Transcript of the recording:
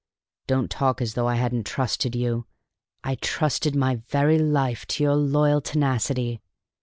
Don't talk as though I hadn't trusted you! I trusted my very life to your loyal tenacity.